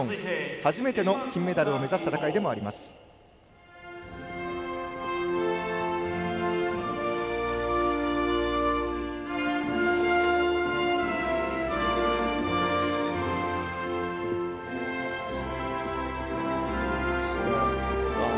初めての金メダルを目指す戦いでもあります。